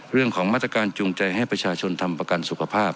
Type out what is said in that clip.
เรื่องของมาตรการจูงใจให้ประชาชนทำประกันสุขภาพ